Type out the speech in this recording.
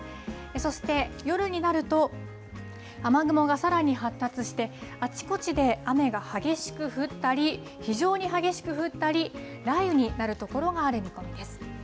そして夜になると、雨雲がさらに発達して、あちこちで雨が激しく降ったり、非常に激しく降ったり、雷雨になる所がある見込みです。